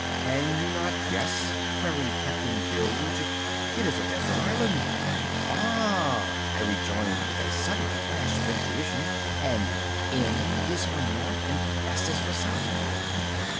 "Can you not guess?" queried Captain Bilge. "It is a desert island." "Ah!" I rejoined with a sudden flash of intuition, "and N is for North and S is for South."